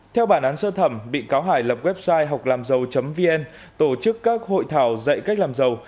theo bản án sơ thẩm bị cáo hải lập website họclamzau vn tổ chức các hội thảo dạy cách làm giàu